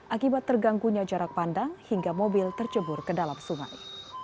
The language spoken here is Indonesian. akibat terganggunya jarak pandang hingga mobil tercebur ke dalam sungai